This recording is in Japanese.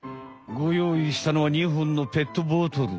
ごよういしたのは２ほんのペットボトル。